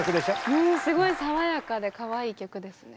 うんすごい爽やかでかわいい曲ですね。